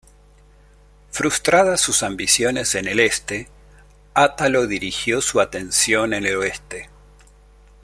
Frustradas sus ambiciones en el Este, Atalo dirigió su atención en el Oeste.